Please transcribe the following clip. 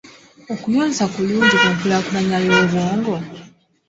Okuyonsa kulungi ku nkulaakulana y'obwongo?